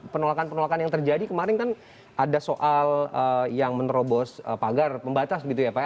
penolakan penolakan yang terjadi kemarin kan ada soal yang menerobos pagar pembatas gitu ya pak